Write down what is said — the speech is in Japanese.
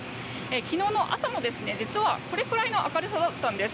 昨日の朝も実は、これくらいの明るさだったんです。